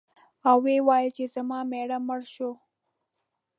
او ویل یې چې زما مېړه مړ شو.